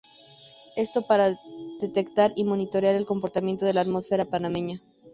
Esto para detectar y monitorear el comportamiento de la atmósfera panameña.